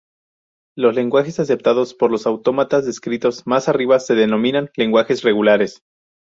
Los lenguajes aceptados por los autómatas descritos más arriba se denominan lenguajes regulares.